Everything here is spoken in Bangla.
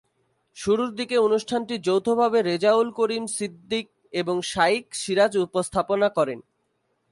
শুরুর দিকে অনুষ্ঠানটি যৌথভাবে রেজাউল করিম সিদ্দিক এবং শাইখ সিরাজ উপস্থাপনা করতেন।